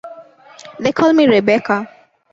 They call me Rebecca.